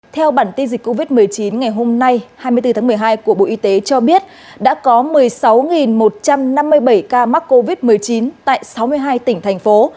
theo bản tin dịch covid một mươi chín ngày hôm nay hai mươi bốn tháng một mươi hai của bộ y tế cho biết đã có một mươi sáu một trăm năm mươi bảy ca mắc covid một mươi chín tại sáu mươi hai tỉnh thành phố